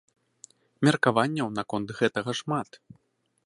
Меркаванняў наконт гэтага шмат.